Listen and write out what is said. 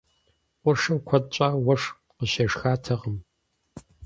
Къуршым куэд щӏауэ уэшх къыщешхатэкъым.